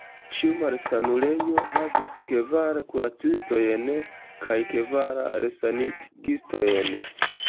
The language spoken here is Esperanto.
Ĉiu malsanulejo havis kvar kuracistojn kaj kvar resanigistojn.